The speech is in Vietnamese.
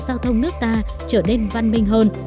giao thông nước ta trở nên văn minh hơn